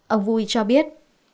ông vui cho biết